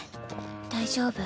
大丈夫？